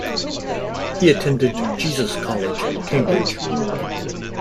He attended Jesus College, Cambridge.